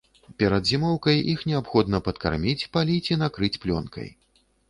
Перад зімоўкай іх неабходна падкарміць, паліць і накрыць плёнкай.